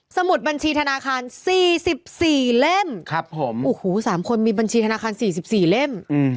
มุดบัญชีธนาคาร๔๔เล่มครับผมโอ้โห๓คนมีบัญชีธนาคาร๔๔เล่ม